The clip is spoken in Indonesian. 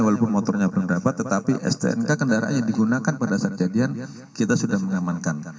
walaupun motornya belum dapat tetapi stnk kendaraan yang digunakan pada saat kejadian kita sudah mengamankan